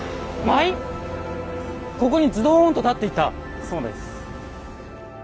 倍⁉そうです。